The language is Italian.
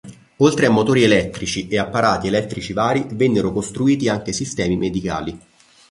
Oltre a motori elettrici e apparati elettrici vari, vennero costruiti anche sistemi medicali.